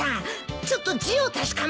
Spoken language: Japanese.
ちょっと字を確かめたくて。